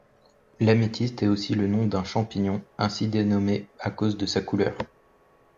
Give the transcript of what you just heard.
L'améthyste est aussi le nom d'un champignon, ainsi dénommé à cause de sa couleur.